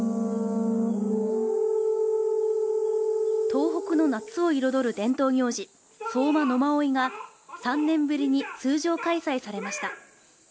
東北の夏を彩る伝統行事、相馬野馬追が３年ぶりに通常開催されました。